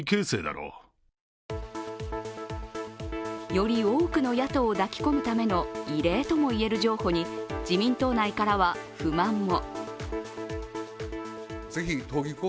より多くの野党を抱き込むための異例ともいえる譲歩に自民党内からは不満も。